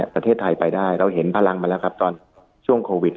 ประเทศไทยไปได้เราเห็นพลังมาแล้วครับตอนช่วงโควิด